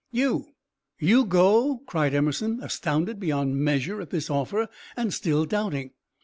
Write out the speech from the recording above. "You! You go!" cried Emerson, astounded beyond measure at this offer, and still doubting.